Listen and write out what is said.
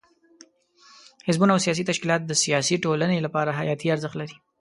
حزبونه او سیاسي تشکیلات د سیاسي ټولنې لپاره حیاتي ارزښت لري.